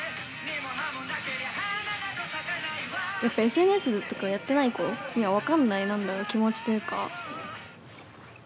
やっぱＳＮＳとかやってない子には分かんない何だろ気持ちというか。